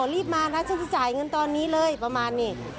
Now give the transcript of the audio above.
รีบมานะฉันไปจ่ายเงินตอนนี้เลยประมาณนี้